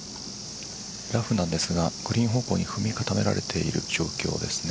ラフなんですがグリーン方向に踏み固められている状況ですね。